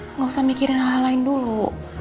tidak usah mikirin hal hal lain dulu